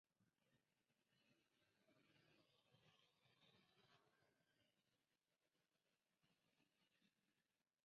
It was the first season when group stage was introduced.